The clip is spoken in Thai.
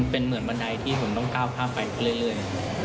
เป็นเหมือนบันไดที่ผมต้องก้าวข้ามไปเรื่อย